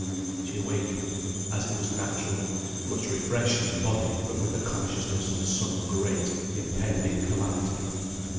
She awakened, as it was natural, much refreshed in body; but with a consciousness of some great impending calamity.